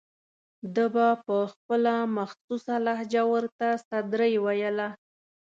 ده به په خپله مخصوصه لهجه ورته سدرۍ ویله.